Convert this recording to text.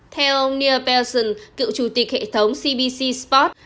theo ông neil pelson cựu chủ tịch hệ thống cbc sports